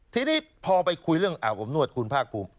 ทีนี้พอไปคุยเรื่องอาบอบนวดคุณภาคภูมิ